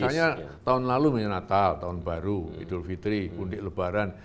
misalnya tahun lalu menyernatal tahun baru idul fitri bundik lebaran